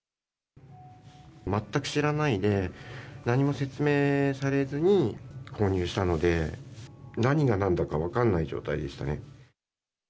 全く知らないで、何も説明されずに購入したので、何がなんだか分かんない状態でしたね。